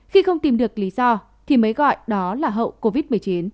khi không tìm được lý do thì mới gọi đó là hậu covid một mươi chín